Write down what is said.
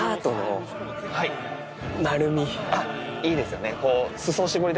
あっ、いいですよね。